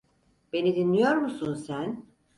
Beni dinliyor musun sen?